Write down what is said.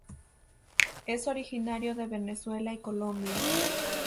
Es originario de Venezuela y Colombia.